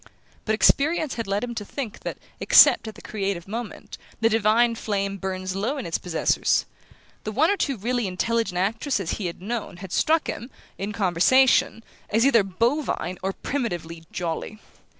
But experience had led him to think that, except at the creative moment, the divine flame burns low in its possessors. The one or two really intelligent actresses he had known had struck him, in conversation, as either bovine or primitively "jolly".